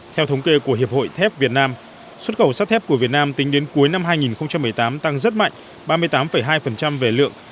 theo thống kê của hiệp hội thép việt nam xuất khẩu sắt thép của việt nam tính đến cuối năm hai nghìn một mươi tám tăng rất mạnh ba mươi tám hai về lượng